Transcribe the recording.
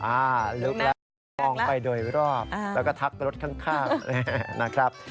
ลึกแล้วมองไปโดยรอบแล้วก็ทักรถข้างนะครับ